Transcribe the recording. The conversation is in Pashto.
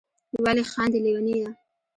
ولي خاندی ليونيه